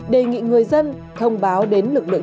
đề nghị người dân thông báo đến lực lượng